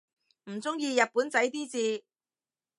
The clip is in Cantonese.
唔中意日本仔啲字